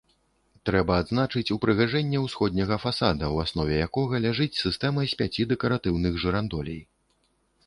Трэба адзначыць упрыгажэнне ўсходняга фасада, у аснове якога ляжыць сістэма з пяці дэкаратыўных жырандолей.